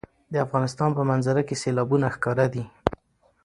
د افغانستان په منظره کې سیلابونه ښکاره دي.